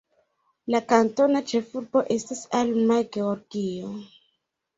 La kantona ĉefurbo estas Alma, Georgio.